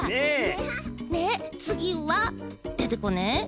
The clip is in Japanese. つぎはデテコね。